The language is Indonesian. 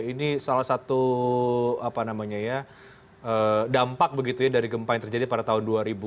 ini salah satu dampak begitu ya dari gempa yang terjadi pada tahun dua ribu